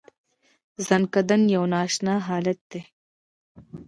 ځنکدن یو نا اشنا حالت دی .